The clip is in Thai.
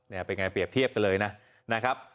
นะครับเปลี่ยนเทียบไปเลยนะ